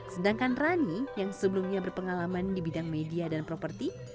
sedangkan rani yang sebelumnya berpengalaman di bidang media dan properti